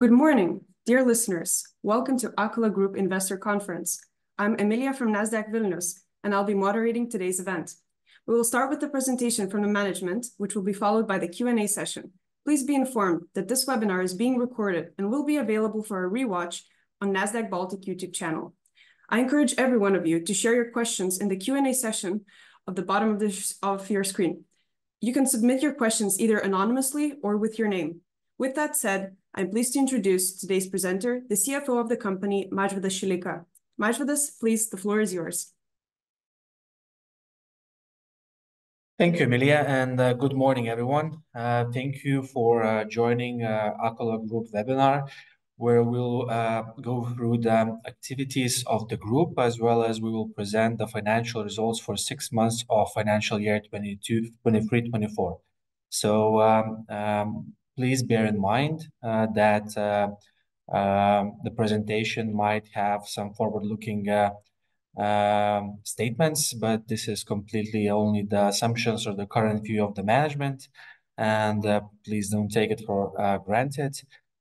Good morning, dear listeners. Welcome to Akola Group Investor Conference. I'm Emilija from Nasdaq Vilnius, and I'll be moderating today's event. We will start with the presentation from the management, which will be followed by the Q&A session. Please be informed that this webinar is being recorded and will be available for a rewatch on Nasdaq Baltic YouTube channel. I encourage every one of you to share your questions in the Q&A session at the bottom of your screen. You can submit your questions either anonymously or with your name. With that said, I'm pleased to introduce today's presenter, the CFO of the company, Mažvydas Šileika. Mažvydas, please, the floor is yours. Thank you, Emilija, and good morning, everyone. Thank you for joining Akola Group webinar, where we'll go through the activities of the group, as well as we will present the financial results for six months of financial year 2022, 2023, 2024. Please bear in mind that the presentation might have some forward-looking statements, but this is completely only the assumptions or the current view of the management, and please don't take it for granted.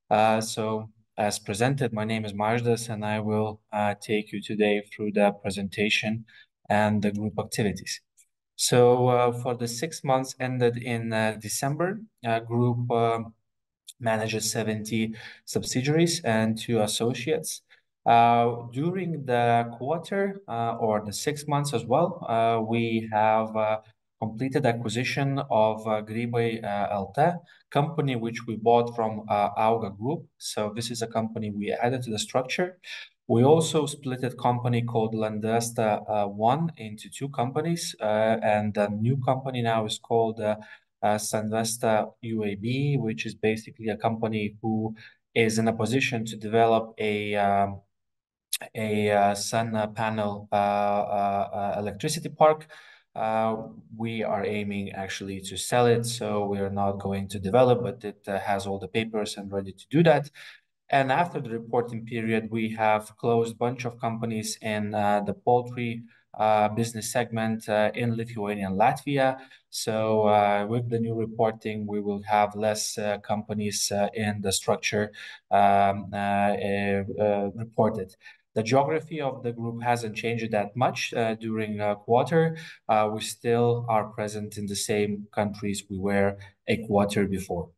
As presented, my name is Mažvydas, and I will take you today through the presentation and the group activities. For the six months ended in December, group manages 70 subsidiaries and two associates. During the quarter, or the six months as well, we have completed acquisition of Grybai LT company, which we bought from AUGA group. So this is a company we added to the structure. We also splitted company called Landvesta into two companies. And the new company now is called Landvesta UAB, which is basically a company who is in a position to develop a solar panel electricity park. We are aiming actually to sell it, so we are not going to develop, but it has all the papers and ready to do that. And after the reporting period, we have closed bunch of companies in the poultry business segment in Lithuania and Latvia. So, with the new reporting, we will have less companies in the structure reported. The geography of the group hasn't changed that much during the quarter. We still are present in the same countries we were a quarter before.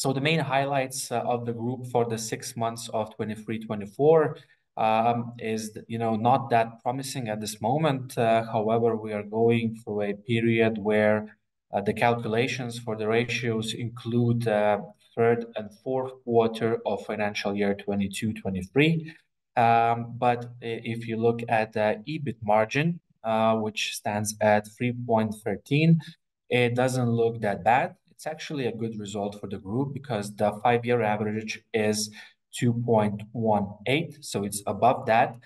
So the main highlights of the group for the six months of 2023-2024 is, you know, not that promising at this moment. However, we are going through a period where the calculations for the ratios include third and fourth quarter of financial year 2022-2023. But if you look at the EBIT margin, which stands at 3.13, it doesn't look that bad. It's actually a good result for the group because the five-year average is 2.18, so it's above that.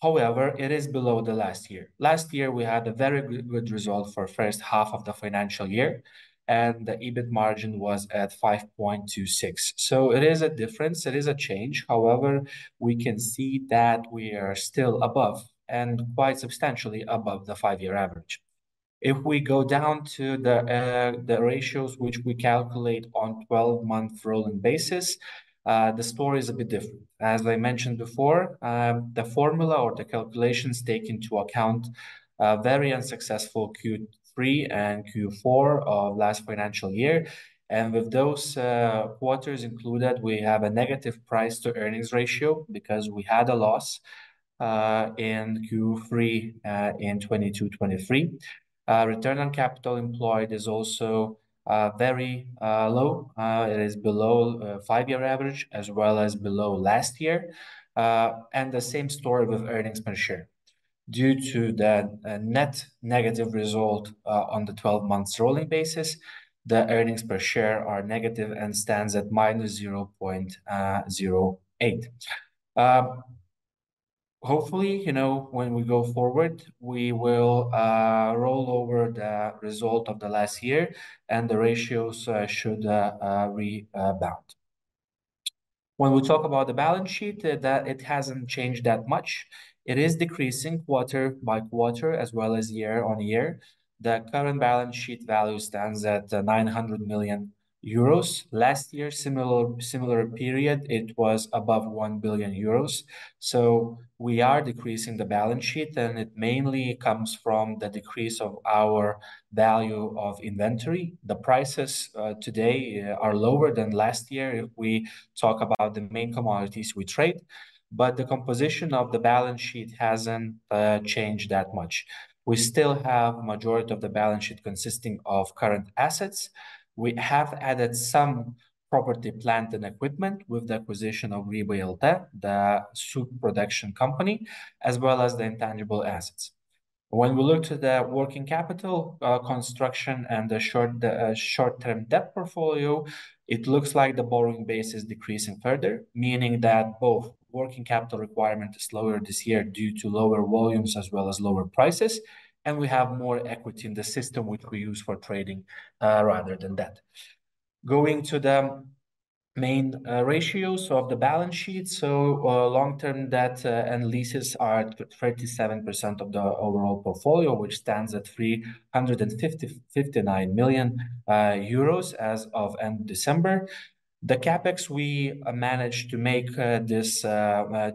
However, it is below the last year. Last year we had a very good result for first half of the financial year, and the EBIT margin was at 5.26%. So it is a difference, it is a change. However, we can see that we are still above and quite substantially above the five-year average. If we go down to the ratios which we calculate on 12-month rolling basis, the story is a bit different. As I mentioned before, the formula or the calculations take into account very unsuccessful Q3 and Q4 of last financial year, and with those quarters included, we have a negative price-to-earnings ratio because we had a loss in Q3 in 2022-2023. Return on capital employed is also very low. It is below five-year average, as well as below last year. And the same story with earnings per share. Due to the net negative result on the 12 months rolling basis, the earnings per share are negative and stands at -0.08. Hopefully, you know, when we go forward, we will roll over the result of the last year, and the ratios should rebound. When we talk about the balance sheet, that it hasn't changed that much. It is decreasing quarter-by-quarter as well as year-on-year. The current balance sheet value stands at 900 million euros. Last year, similar period, it was above 1 billion euros. So we are decreasing the balance sheet, and it mainly comes from the decrease of our value of inventory. The prices today are lower than last year. We talk about the main commodities we trade, but the composition of the balance sheet hasn't changed that much. We still have majority of the balance sheet consisting of current assets. We have added some property, plant, and equipment with the acquisition of Grybai LT, the soup production company, as well as the intangible assets. When we look to the working capital, construction and the short-term debt portfolio, it looks like the borrowing base is decreasing further, meaning that both working capital requirement is lower this year due to lower volumes as well as lower prices, and we have more equity in the system, which we use for trading, rather than that. Going to the main ratios of the balance sheet. So, long-term debt and leases are at 37% of the overall portfolio, which stands at 359 million euros as of end December. The CapEx we managed to make this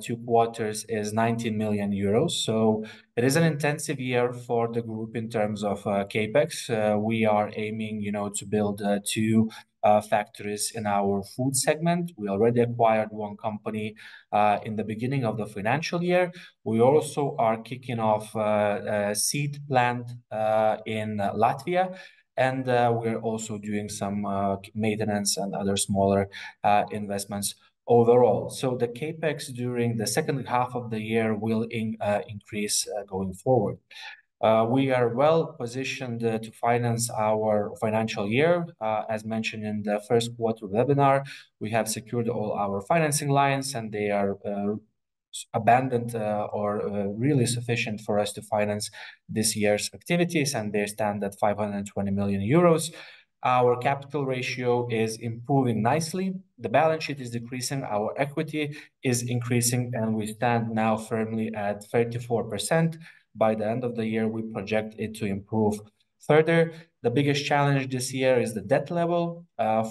two quarters is 19 million euros. So it is an intensive year for the group in terms of CapEx. We are aiming, you know, to build two factories in our food segment. We already acquired one company in the beginning of the financial year. We also are kicking off a seed plant in Latvia, and we're also doing some maintenance and other smaller investments overall. So the CapEx during the second half of the year will increase going forward. We are well positioned to finance our financial year. As mentioned in the first quarter webinar, we have secured all our financing lines, and they are abundant or really sufficient for us to finance this year's activities, and they stand at 520 million euros. Our capital ratio is improving nicely. The balance sheet is decreasing, our equity is increasing, and we stand now firmly at 34%. By the end of the year, we project it to improve further. The biggest challenge this year is the debt level.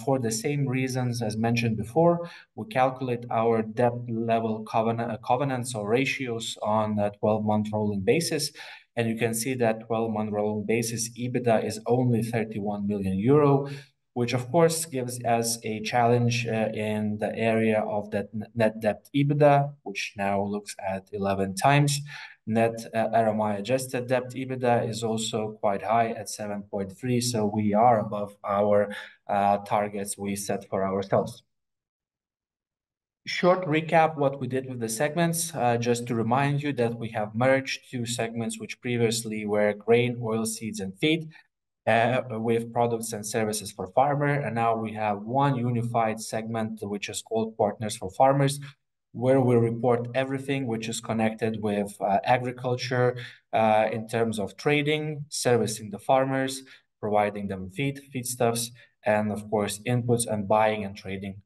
For the same reasons as mentioned before, we calculate our debt level covenants or ratios on a twelve-month rolling basis, and you can see that twelve-month rolling basis, EBITDA is only 31 million euro, which, of course, gives us a challenge in the area of debt, net debt EBITDA, which now looks at 11 times. Net RMI-adjusted debt/EBITDA is also quite high at 7.3, so we are above our targets we set for ourselves. Short recap, what we did with the segments. Just to remind you that we have merged two segments, which previously were grain, oilseeds, and feed with products and services for farmer. And now we have one unified segment, which is called Partners for Farmers, where we report everything which is connected with agriculture in terms of trading, servicing the farmers, providing them feed, feedstuffs, and of course, inputs and buying and trading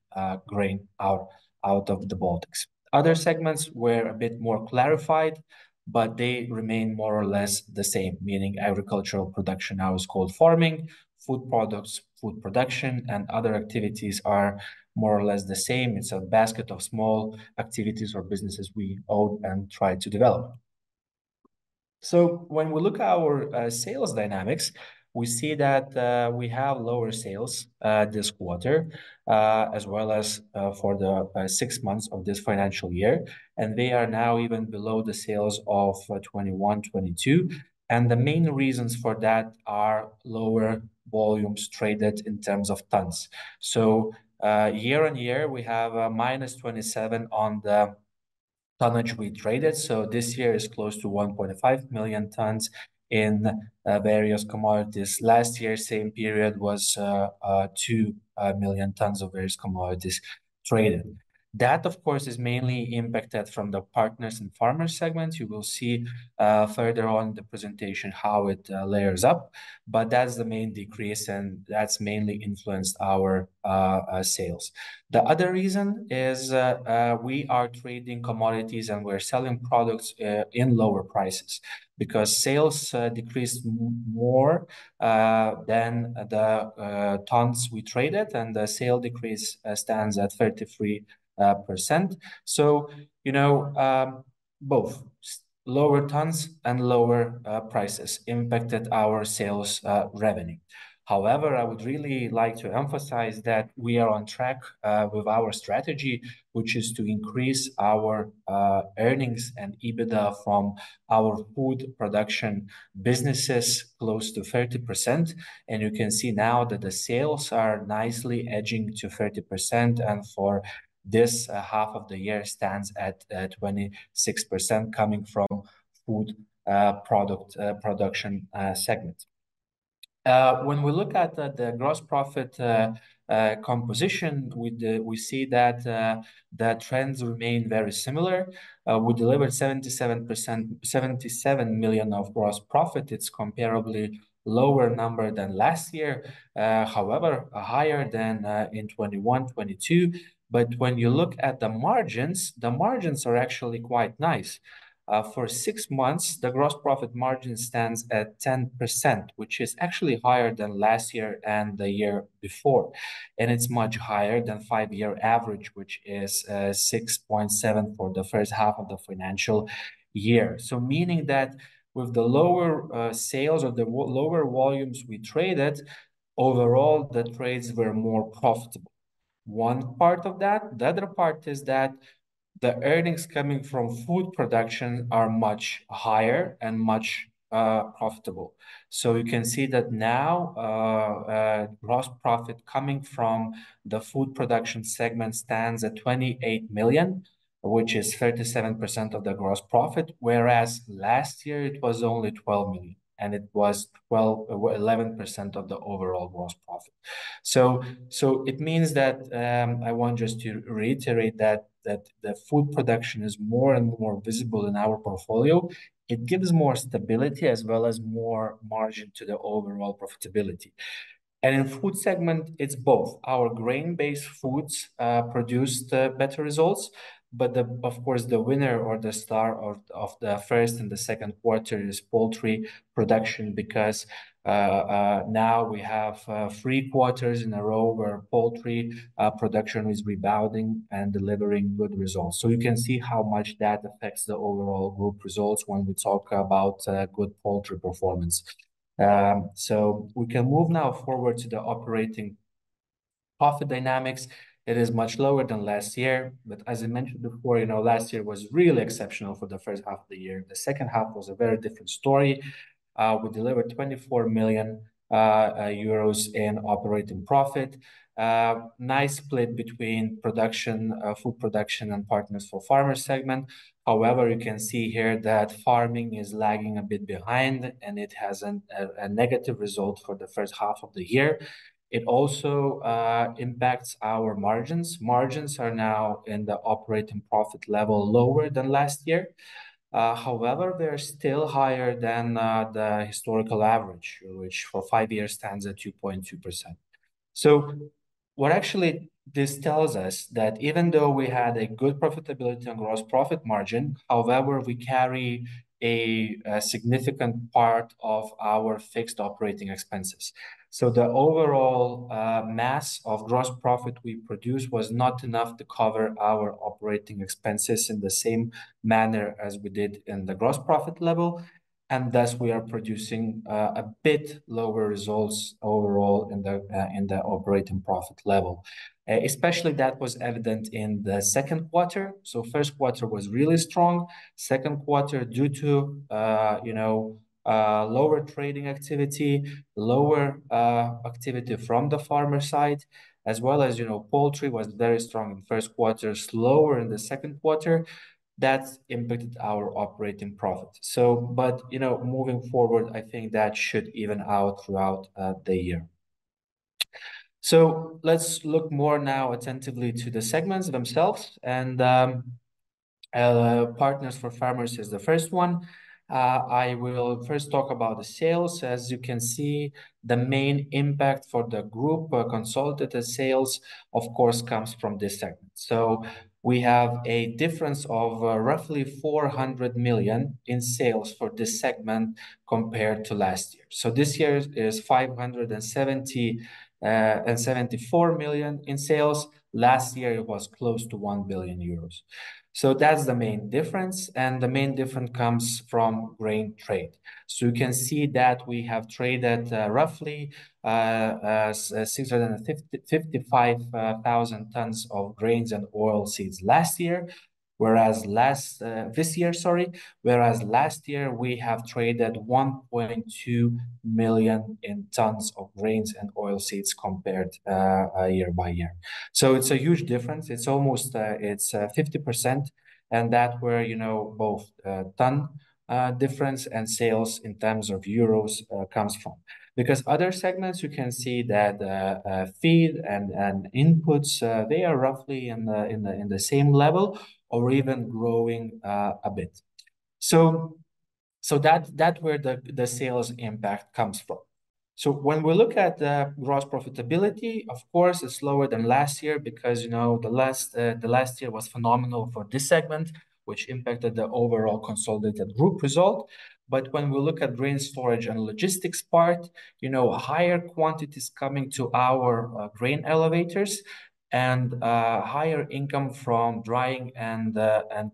grain out of the Baltics. Other segments were a bit more clarified, but they remain more or less the same, meaning agricultural production now is called farming. Food products, food production, and other activities are more or less the same. It's a basket of small activities or businesses we own and try to develop. So when we look at our sales dynamics, we see that we have lower sales this quarter, as well as for the six months of this financial year, and they are now even below the sales of 2021, 2022. And the main reasons for that are lower volumes traded in terms of tons. So year-on-year, we have minus 27 on the tonnage we traded, so this year is close to 1.5 million tons in various commodities. Last year, same period was 2 million tons of various commodities traded. That, of course, is mainly impacted from the partners and farmers segments. You will see further on in the presentation how it layers up, but that's the main decrease, and that's mainly influenced our sales. The other reason is we are trading commodities, and we're selling products in lower prices because sales decreased more than the tons we traded, and the sale decrease stands at 33%. So, you know, both lower tons and lower prices impacted our sales revenue. However, I would really like to emphasize that we are on track with our strategy, which is to increase our earnings and EBITDA from our food production businesses close to 30%. You can see now that the sales are nicely edging to 30%, and for this half of the year stands at 26% coming from food product production segment. When we look at the gross profit composition, we see that the trends remain very similar. We delivered seventy-seven million of gross profit. It's comparably lower number than last year, however, higher than in 2021, 2022. But when you look at the margins, the margins are actually quite nice. For six months, the gross profit margin stands at 10%, which is actually higher than last year and the year before, and it's much higher than five-year average, which is 6.7 for the first half of the financial year. So meaning that with the lower, sales or the lower volumes we traded, overall, the trades were more profitable. One part of that. The other part is that the earnings coming from food production are much higher and much, profitable. So you can see that now, gross profit coming from the food production segment stands at 28 million, which is 37% of the gross profit, whereas last year it was only 12 million, and it was eleven percent of the overall gross profit. So, so it means that, I want just to reiterate that, that the food production is more and more visible in our portfolio. It gives more stability as well as more margin to the overall profitability. And in food segment, it's both. Our grain-based foods produced better results, but, of course, the winner or the star of the first and the second quarter is poultry production because now we have three quarters in a row where poultry production is rebounding and delivering good results. So you can see how much that affects the overall group results when we talk about good poultry performance. So we can move now forward to the operating profit dynamics. It is much lower than last year, but as I mentioned before, you know, last year was really exceptional for the first half of the year. The second half was a very different story. We delivered 24 million euros in operating profit. Nice split between production, food production and Partners for Farmers segment. However, you can see here that farming is lagging a bit behind, and it has a negative result for the first half of the year. It also impacts our margins. Margins are now in the operating profit level, lower than last year. However, they're still higher than the historical average, which for five years stands at 2.2%. So what actually this tells us, that even though we had a good profitability and gross profit margin, however, we carry a significant part of our fixed operating expenses. So the overall mass of gross profit we produced was not enough to cover our operating expenses in the same manner as we did in the gross profit level, and thus, we are producing a bit lower results overall in the operating profit level. Especially that was evident in the second quarter. So first quarter was really strong. Second quarter, due to, you know, lower trading activity, lower activity from the farmer side, as well as, you know, poultry was very strong in first quarter, slower in the second quarter. That's impacted our operating profit. So, but, you know, moving forward, I think that should even out throughout the year. So let's look more now attentively to the segments themselves, and, Partners for Farmers is the first one. I will first talk about the sales. As you can see, the main impact for the group, consolidated sales, of course, comes from this segment. So we have a difference of, roughly 400 million in sales for this segment compared to last year. So this year is 574 million in sales. Last year, it was close to 1 billion euros. So that's the main difference, and the main difference comes from grain trade. So you can see that we have traded roughly 655,000 tons of grains and oilseeds last year, whereas last this year, sorry, whereas last year we have traded 1.2 million tons of grains and oilseeds compared year by year. So it's a huge difference. It's almost 50%, and that's where you know both ton difference and sales in terms of euros comes from. Because other segments, you can see that, feed and inputs, they are roughly in the same level or even growing, a bit. So that where the sales impact comes from. So when we look at the gross profitability, of course, it's lower than last year because, you know, the last year was phenomenal for this segment, which impacted the overall consolidated group result. But when we look at grain storage and logistics part, you know, higher quantities coming to our grain elevators and higher income from drying and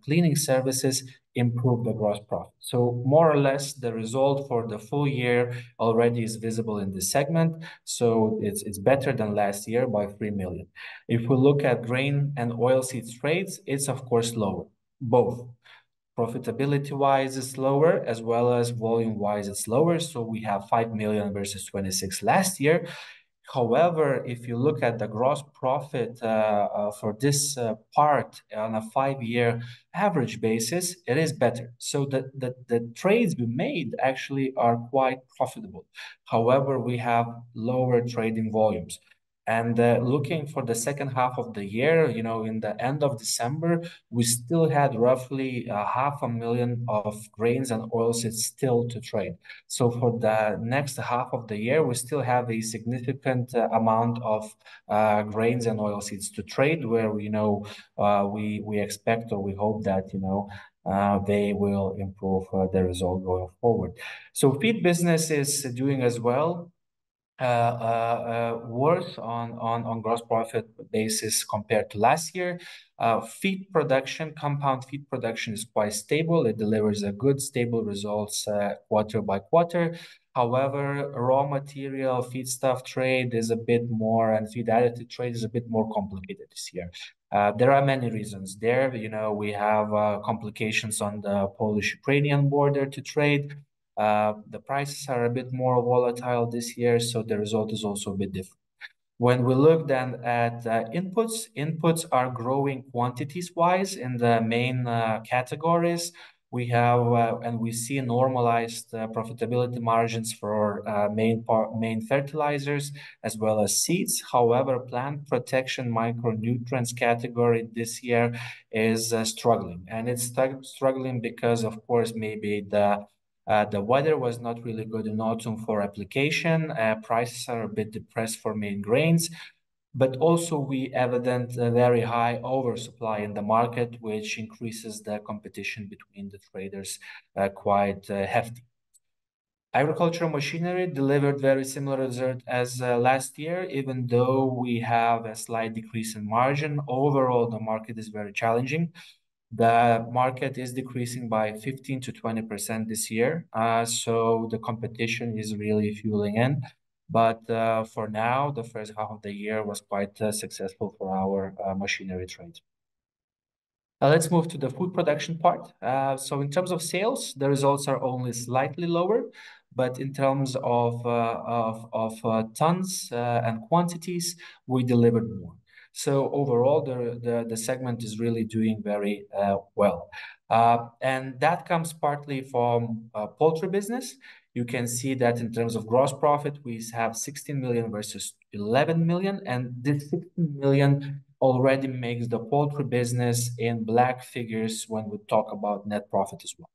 cleaning services improve the gross profit. So more or less, the result for the full year already is visible in this segment, so it's better than last year by 3 million. If we look at grain and oilseeds trades, it's of course lower. Both profitability-wise, it's lower, as well as volume-wise, it's lower, so we have 5 million versus 26 last year. However, if you look at the gross profit for this part on a 5-year average basis, it is better. So the trades we made actually are quite profitable. However, we have lower trading volumes, and looking for the second half of the year, you know, in the end of December, we still had roughly 500,000 of grains and oilseeds still to trade. So for the next half of the year, we still have a significant amount of grains and oilseeds to trade where we know we expect or we hope that, you know, they will improve the result going forward. So feed business is doing as well, worse on gross profit basis compared to last year. Feed production, compound feed production is quite stable. It delivers a good, stable results, quarter by quarter. However, raw material, feedstock trade is a bit more, and feed additive trade is a bit more complicated this year. There are many reasons there. You know, we have complications on the Polish-Ukrainian border to trade. The prices are a bit more volatile this year, so the result is also a bit different. When we look then at inputs, inputs are growing quantities-wise in the main categories. We have... And we see normalized profitability margins for main part, main fertilizers as well as seeds. However, plant protection micronutrients category this year is struggling, and it's struggling because, of course, maybe the weather was not really good in autumn for application. Prices are a bit depressed for main grains, but also we evident a very high oversupply in the market, which increases the competition between the traders quite hefty. Agricultural machinery delivered very similar result as last year, even though we have a slight decrease in margin. Overall, the market is very challenging. The market is decreasing by 15%-20% this year, so the competition is really fueling in. But for now, the first half of the year was quite successful for our machinery trade. Let's move to the food production part. So in terms of sales, the results are only slightly lower, but in terms of tons and quantities, we delivered more. So overall, the segment is really doing very well, and that comes partly from poultry business. You can see that in terms of gross profit, we have 16 million versus 11 million, and this 16 million already makes the poultry business in black figures when we talk about net profit as well.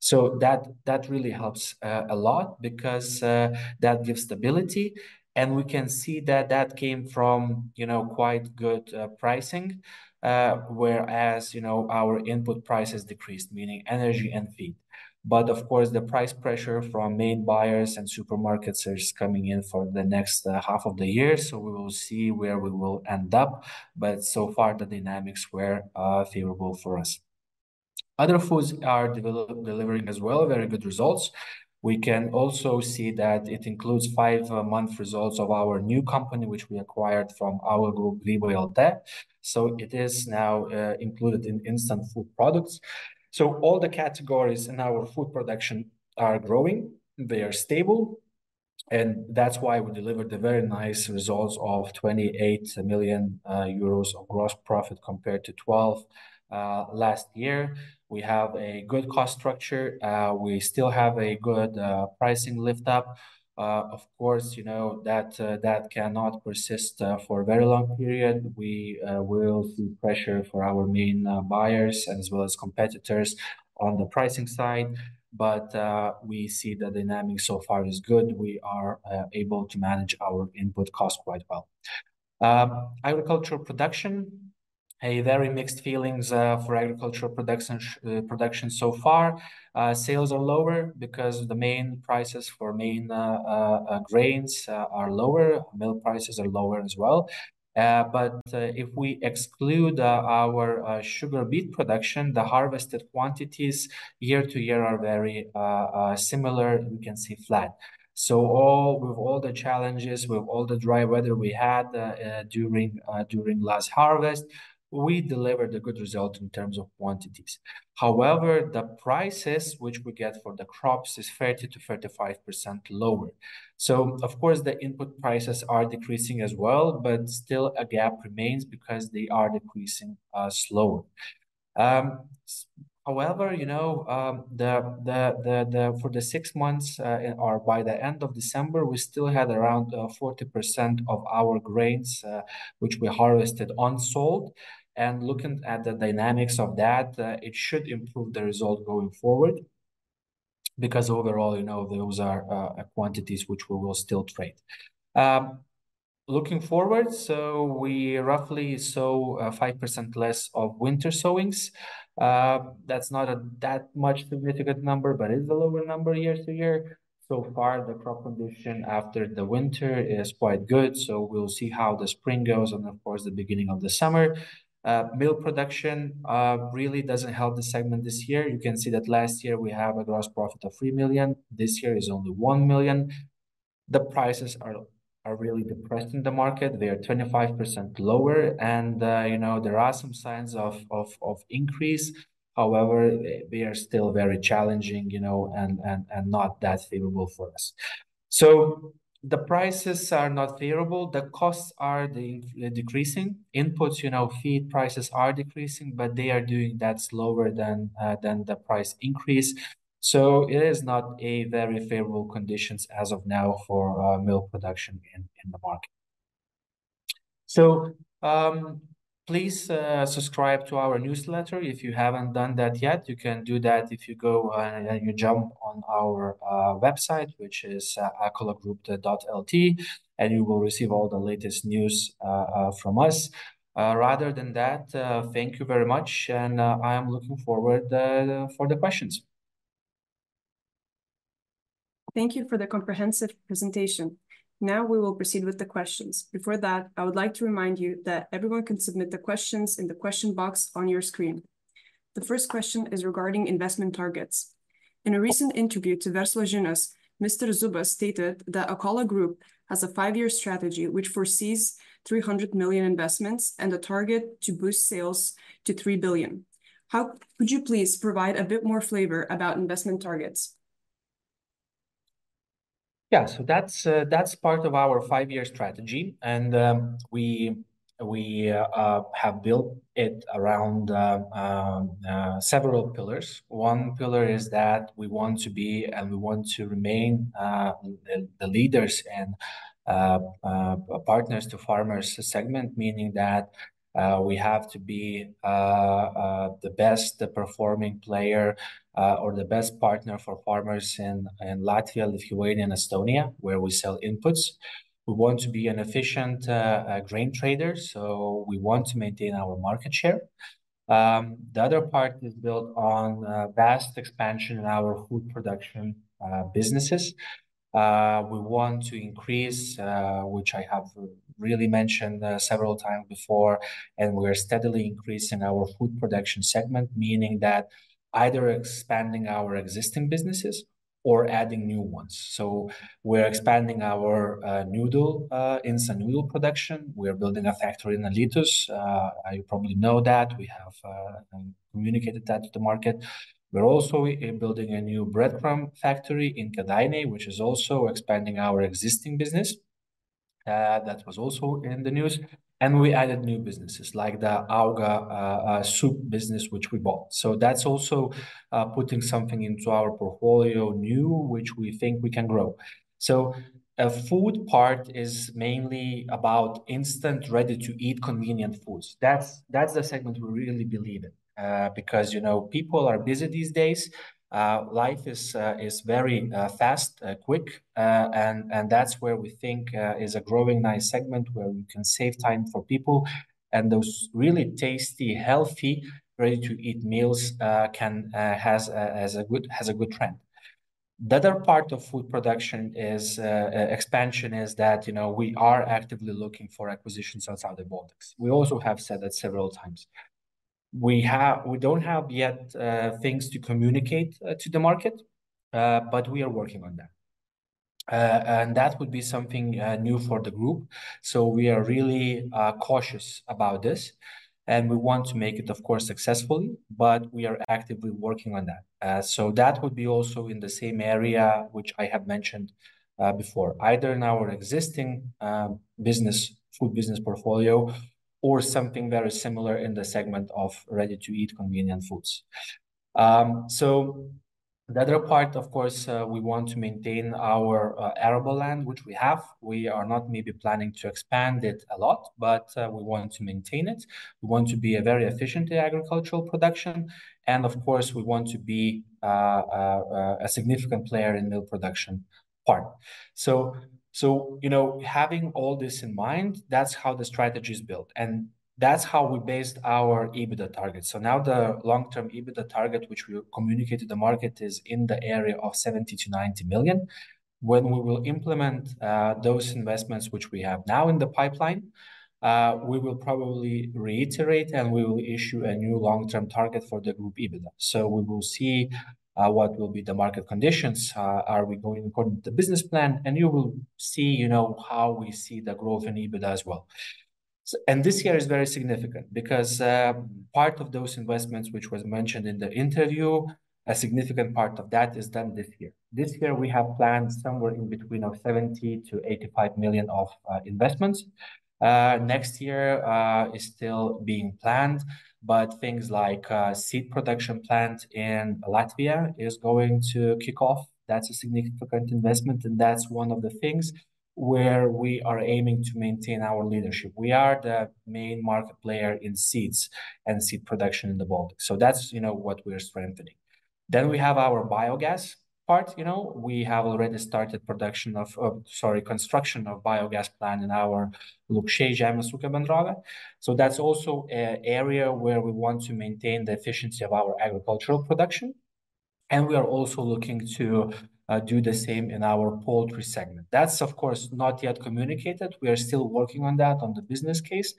So that really helps a lot because that gives stability, and we can see that that came from, you know, quite good pricing. Whereas, you know, our input prices decreased, meaning energy and feed. But of course, the price pressure from main buyers and supermarkets is coming in for the next half of the year, so we will see where we will end up, but so far, the dynamics were favorable for us. Other foods are delivering as well very good results. We can also see that it includes five-month results of our new company, which we acquired from our group, Grybai LT. So it is now included in instant food products. So all the categories in our food production are growing, they are stable, and that's why we delivered the very nice results of 28 million euros of gross profit compared to 12 million EUR last year. We have a good cost structure. We still have a good pricing lift up. Of course, you know, that that cannot persist for a very long period. We will see pressure for our main buyers as well as competitors on the pricing side, but we see the dynamic so far is good. We are able to manage our input cost quite well. Agricultural production, a very mixed feelings for agricultural production production so far. Sales are lower because the main prices for main grains are lower, meal prices are lower as well. But if we exclude our sugar beet production, the harvested quantities year to year are very similar, we can see flat. So, with all the challenges, with all the dry weather we had, during last harvest, we delivered a good result in terms of quantities. However, the prices which we get for the crops is 30%-35% lower. So of course, the input prices are decreasing as well, but still a gap remains because they are decreasing slower. However, you know, for the six months, or by the end of December, we still had around 40% of our grains, which we harvested, unsold. And looking at the dynamics of that, it should improve the result going forward, because overall, you know, those are quantities which we will still trade. Looking forward, so we roughly sow 5% less of winter sowings. That's not that much significant number, but it's a lower number year-over-year. So far, the crop condition after the winter is quite good, so we'll see how the spring goes and of course, the beginning of the summer. Meal production really doesn't help the segment this year. You can see that last year we have a gross profit of 3 million; this year is only 1 million. The prices are really depressed in the market. They are 25% lower and you know, there are some signs of increase. However, they are still very challenging, you know, and not that favorable for us. So the prices are not favorable, the costs are increasing. Inputs, you know, feed prices are decreasing, but they are doing that slower than the price increase. So it is not a very favorable conditions as of now for meal production in the market. So, please, subscribe to our newsletter. If you haven't done that yet, you can do that if you go and you jump on our website, which is akolagroup.lt, and you will receive all the latest news from us. Rather than that, thank you very much, and I am looking forward for the questions. Thank you for the comprehensive presentation. Now we will proceed with the questions. Before that, I would like to remind you that everyone can submit the questions in the question box on your screen. The first question is regarding investment targets. In a recent interview to Verslo žinios, Mr. Zubas stated that Akola Group has a five-year strategy, which foresees 300 million investments and a target to boost sales to 3 billion. How... Could you please provide a bit more flavor about investment targets? Yeah, so that's that's part of our five-year strategy, and we have built it around several pillars. One pillar is that we want to be, and we want to remain, the leaders and partners to farmers segment, meaning that we have to be the best performing player or the best partner for farmers in Latvia, Lithuania, and Estonia, where we sell inputs. We want to be an efficient grain trader, so we want to maintain our market share. The other part is built on vast expansion in our food production businesses. We want to increase, which I have really mentioned several times before, and we're steadily increasing our food production segment, meaning that either expanding our existing businesses or adding new ones. So we're expanding our noodle instant noodle production. We are building a factory in Alytus. You probably know that we have communicated that to the market. We're also building a new breadcrumb factory in Kėdainiai, which is also expanding our existing business. That was also in the news, and we added new businesses like the AUGA soup business, which we bought. So that's also putting something into our portfolio new, which we think we can grow. So a food part is mainly about instant, ready-to-eat, convenient foods. That's the segment we really believe in. Because, you know, people are busy these days. Life is very fast quick. And that's where we think is a growing nice segment where we can save time for people, and those really tasty, healthy, ready-to-eat meals can, has a, has a good—has a good trend. The other part of food production is expansion, is that, you know, we are actively looking for acquisitions outside the Baltics. We also have said that several times. We don't have yet things to communicate to the market, but we are working on that. That would be something new for the group. We are really cautious about this, and we want to make it, of course, successfully, but we are actively working on that. So that would be also in the same area, which I have mentioned, before, either in our existing, business, food business portfolio or something very similar in the segment of ready-to-eat, convenient foods. So the other part, of course, we want to maintain our, arable land, which we have. We are not maybe planning to expand it a lot, but, we want to maintain it. We want to be a very efficient agricultural production, and of course, we want to be, a significant player in milk production part. So you know, having all this in mind, that's how the strategy is built, and that's how we based our EBITDA target. So now the long-term EBITDA target, which we communicated to market, is in the area of 70 million-90 million. When we will implement those investments, which we have now in the pipeline, we will probably reiterate, and we will issue a new long-term target for the group EBITDA. So we will see what will be the market conditions. Are we going according to the business plan? And you will see, you know, how we see the growth in EBITDA as well. And this year is very significant because part of those investments, which was mentioned in the interview, a significant part of that is done this year. This year, we have planned somewhere in between 70 million-85 million of investments. Next year is still being planned, but things like seed production plant in Latvia is going to kick off. That's a significant investment, and that's one of the things where we are aiming to maintain our leadership. We are the main market player in seeds and seed production in the Baltics, so that's, you know, what we're strengthening. Then we have our biogas part. You know, we have already started production of, sorry, construction of biogas plant in our Lukšiai, Lukšių ŽŪB. So that's also an area where we want to maintain the efficiency of our agricultural production, and we are also looking to do the same in our poultry segment. That's, of course, not yet communicated. We are still working on that, on the business case.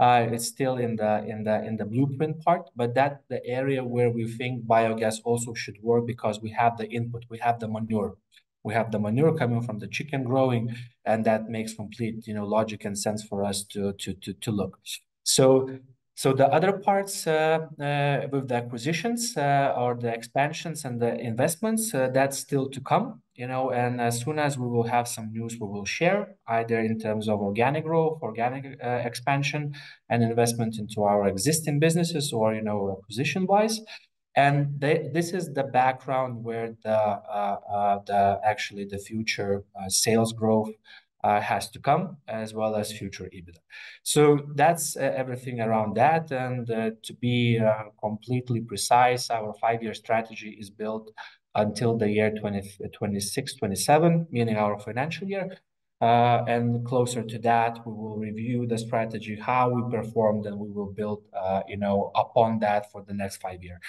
It's still in the blueprint part, but that's the area where we think biogas also should work because we have the input, we have the manure. We have the manure coming from the chicken growing, and that makes complete, you know, logic and sense for us to look. So, the other parts with the acquisitions or the expansions and the investments, that's still to come, you know, and as soon as we will have some news, we will share, either in terms of organic growth, organic expansion and investment into our existing businesses or, you know, acquisition-wise. This is the background where that's actually the future sales growth has to come, as well as future EBITDA. So that's everything around that, and to be completely precise, our five-year strategy is built until the year 2026, 2027, meaning our financial year. And closer to that, we will review the strategy, how we performed, and we will build, you know, upon that for the next five year.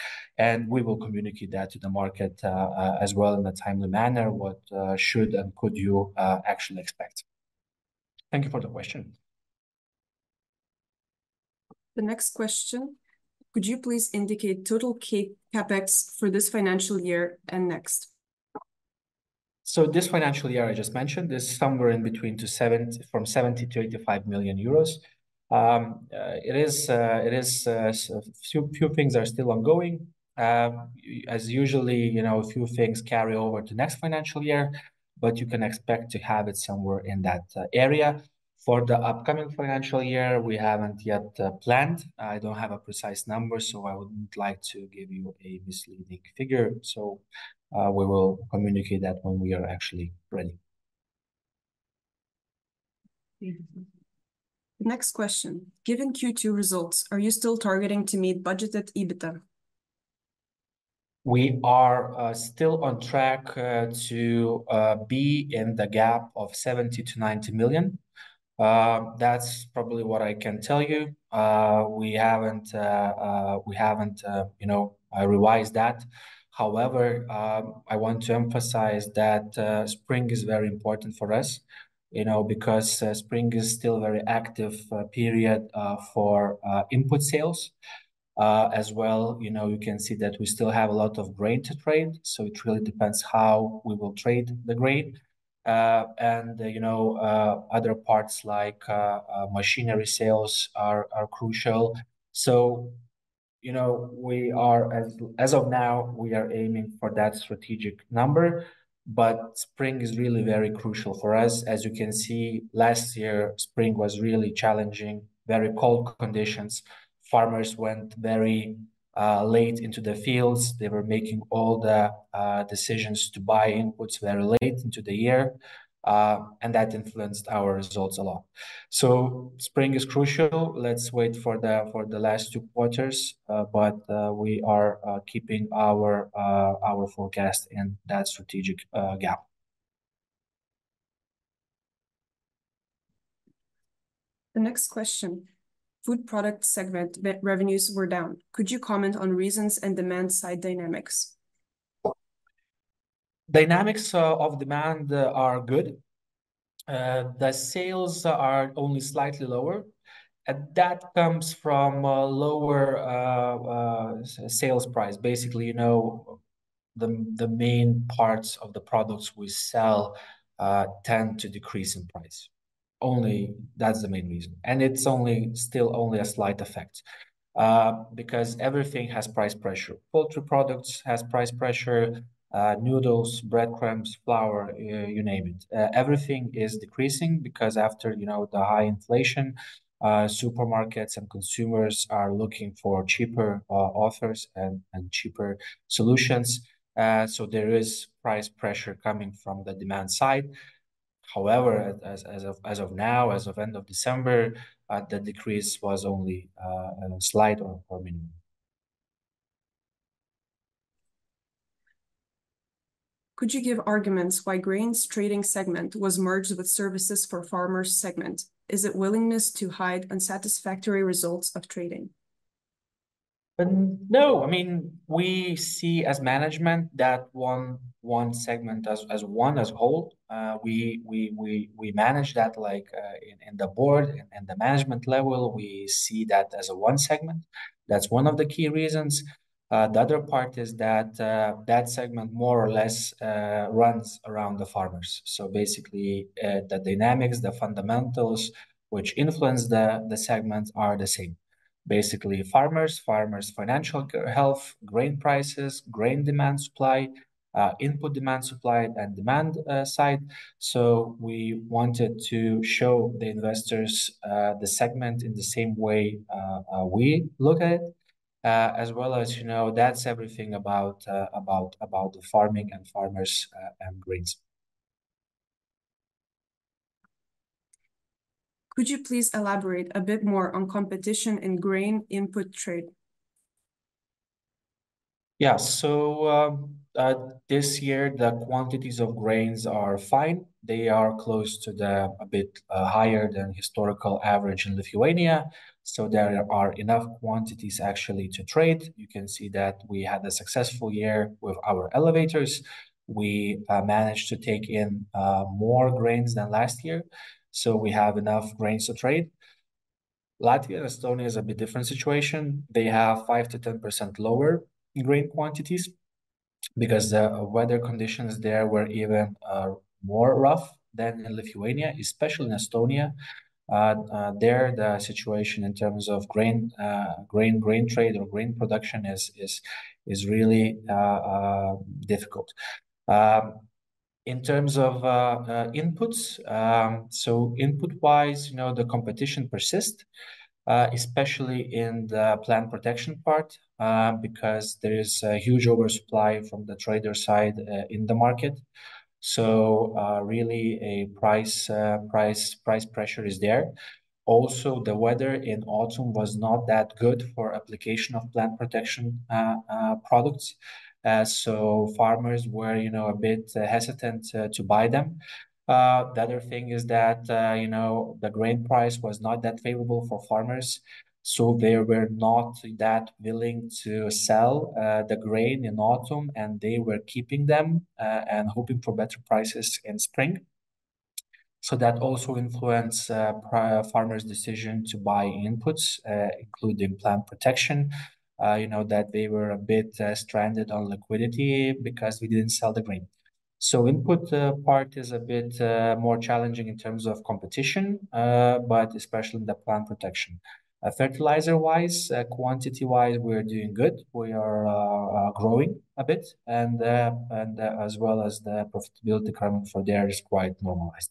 We will communicate that to the market, as well, in a timely manner. What should and could you actually expect? Thank you for the question. The next question: Could you please indicate total CapEx for this financial year and next? So this financial year, I just mentioned, is somewhere between 70-85 million euros. So a few things are still ongoing. As usual, you know, a few things carry over to next financial year, but you can expect to have it somewhere in that area. For the upcoming financial year, we haven't yet planned. I don't have a precise number, so I wouldn't like to give you a misleading figure. So, we will communicate that when we are actually ready. The next question. Given Q2 results, are you still targeting to meet budgeted EBITDA?... we are still on track to be in the gap of 70 million-90 million. That's probably what I can tell you. We haven't, you know, revised that. However, I want to emphasize that spring is very important for us, you know, because spring is still a very active period for input sales. As well, you know, you can see that we still have a lot of grain to trade, so it really depends how we will trade the grain. And, you know, other parts like machinery sales are crucial. So, you know, we are as of now, we are aiming for that strategic number, but spring is really very crucial for us. As you can see, last year, spring was really challenging. Very cold conditions. Farmers went very late into the fields. They were making all the decisions to buy inputs very late into the year, and that influenced our results a lot. So spring is crucial. Let's wait for the last two quarters, but we are keeping our forecast in that strategic gap. The next question. Food product segment revenues were down. Could you comment on reasons and demand-side dynamics? Dynamics of demand are good. The sales are only slightly lower, and that comes from a lower sales price. Basically, you know, the main parts of the products we sell tend to decrease in price. Only... That's the main reason, and it's only, still only a slight effect. Because everything has price pressure. Poultry products has price pressure, noodles, breadcrumbs, flour, you name it. Everything is decreasing because after, you know, the high inflation, supermarkets and consumers are looking for cheaper offers and cheaper solutions. So there is price pressure coming from the demand side. However, as of now, as of end of December, the decrease was only a slight or minimum. Could you give arguments why grains trading segment was merged with services for farmers segment? Is it willingness to hide unsatisfactory results of trading? No. I mean, we see as management that one segment as one whole. We manage that, like, in the board and the management level, we see that as one segment. That's one of the key reasons. The other part is that that segment more or less runs around the farmers. So basically, the dynamics, the fundamentals which influence the segments are the same. Basically, farmers, farmers' financial health, grain prices, grain demand, supply, input demand, supply, and demand side. So we wanted to show the investors the segment in the same way we look at it, as well as, you know, that's everything about the farming and farmers and grains. Could you please elaborate a bit more on competition in grain input trade? Yeah. So, this year, the quantities of grains are fine. They are close to the, a bit, higher than historical average in Lithuania, so there are enough quantities actually to trade. You can see that we had a successful year with our elevators. We, managed to take in, more grains than last year, so we have enough grains to trade. Latvia and Estonia is a bit different situation. They have 5%-10% lower in grain quantities because the weather conditions there were even, more rough than in Lithuania, especially in Estonia. There, the situation in terms of grain trade or grain production is really difficult. In terms of inputs, so input-wise, you know, the competition persists, especially in the plant protection part, because there is a huge oversupply from the trader side, in the market. So, really, a price pressure is there. Also, the weather in autumn was not that good for application of plant protection products, so farmers were, you know, a bit hesitant, to buy them. The other thing is that, you know, the grain price was not that favorable for farmers, so they were not that willing to sell, the grain in autumn, and they were keeping them, and hoping for better prices in spring. So that also influenced farmers' decision to buy inputs, including plant protection. You know, that they were a bit stranded on liquidity because we didn't sell the grain. So input part is a bit more challenging in terms of competition, but especially the plant protection. Fertilizer-wise, quantity-wise, we're doing good. We are growing a bit, and as well as the profitability coming for there is quite normalized.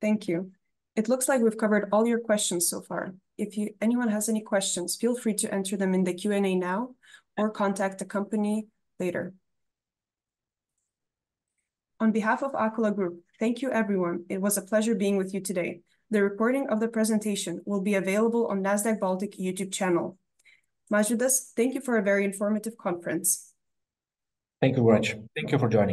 Thank you. It looks like we've covered all your questions so far. If anyone has any questions, feel free to enter them in the Q&A now, or contact the company later. On behalf of Akola Group, thank you, everyone. It was a pleasure being with you today. The recording of the presentation will be available on Nasdaq Baltic YouTube channel. Mažvydas, thank you for a very informative conference. Thank you very much. Thank you for joining us.